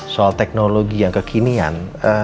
soal teknologi yang kekinian